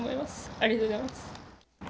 ありがとうございます。